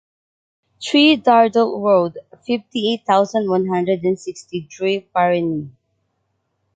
Three Dardault Road, fifty-eight thousand one hundred and sixty, Druy-Parigny